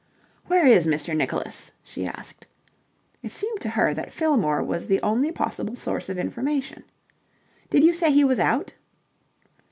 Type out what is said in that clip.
"Where is Mr. Nicholas?" she asked. It seemed to her that Fillmore was the only possible source of information. "Did you say he was out?"